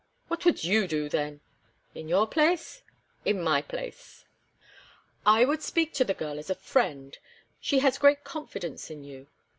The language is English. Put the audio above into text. "What would you do then?" "In your place?" "In my place." "I would speak to the girl as a friend. She has great confidence in you.